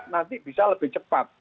nanti bisa lebih cepat